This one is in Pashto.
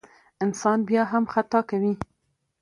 انسان بیا هم خطا کوي.